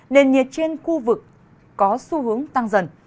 nền nhiệt trên khu vực có xu hướng tăng dần